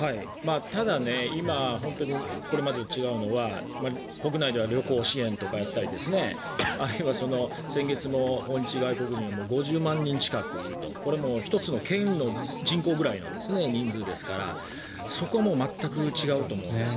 ただ今、これまでと違うのは国内では旅行支援とかやったりあるいは先月も訪日外国人が５０万人近くいるとこれは１つの県の人口ぐらいの人数ですからそこも全く違うと思うんです。